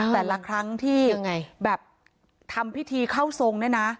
แต่ละครั้งที่แบบทำพิธีเข้าทรงเนี่ยนะ